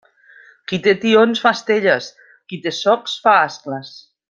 Qui té tions fa estelles; qui té socs fa ascles.